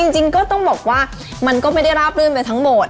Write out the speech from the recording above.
จริงก็ต้องบอกว่ามันก็ไม่ได้ราบรื่นไปทั้งหมด